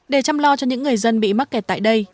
để chăm lo cho những người dân bị mắc kẹt tại đây